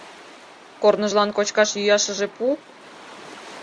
Корныжлан кочкаш-йӱашыже пу.